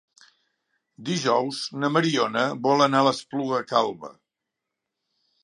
Dijous na Mariona vol anar a l'Espluga Calba.